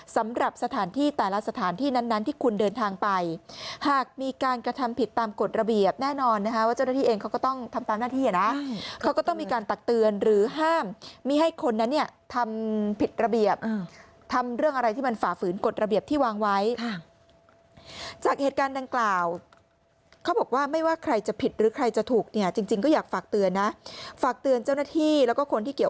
สำหรับสถานที่แต่ละสถานที่นั้นที่คุณเดินทางไปหากมีการกระทำผิดตามกฎระเบียบแน่นอนนะคะว่าเจ้าหน้าที่เองเขาก็ต้องทำตามหน้าที่นะเขาก็ต้องมีการตักเตือนหรือห้ามมีให้คนนั้นเนี่ยทำผิดระเบียบทำเรื่องอะไรที่มันฝ่าฝืนกฎระเบียบที่วางไว้จากเหตุการณ์ดังกล่าวเขาบอกว่าไม่ว่าใครจะผิดหรือใครจะถูกเนี่